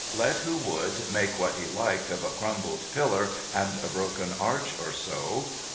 Let who would make what he liked of a crumbled pillar and a broken arch or so.